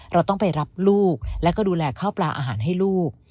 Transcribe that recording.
เราต้องไปรับลูกแล้วก็ดูแลข้าวปลาอาหารให้ลูก